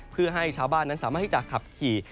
เพื่อให้ชาวบ้านนั้นสามารถที่จะขับขี่